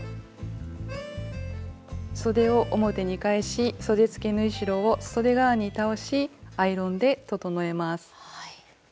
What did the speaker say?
そでを表に返しそでつけ縫い代をそで側に倒しアイロンで整えます。